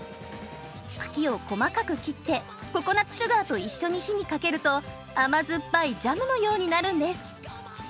茎を細かく切ってココナツシュガーと一緒に火にかけると甘酸っぱいジャムのようになるんです。